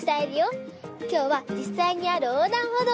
きょうはじっさいにあるおうだんほどうにきました！